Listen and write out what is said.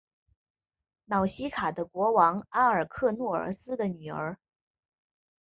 瑙西卡的国王阿尔喀诺俄斯的女儿。